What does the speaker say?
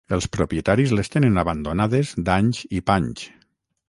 Els propietaris les tenen abandonades d'anys i panys.